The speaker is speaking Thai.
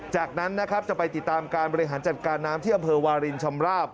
จากนั้นนะครับจะไปติดตามการบริหารจัดการน้ำที่อำเภอวารินชำราบ